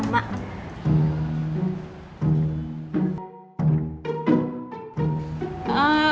kayan jadi ini udah lama